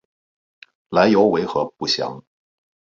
来由为何不详。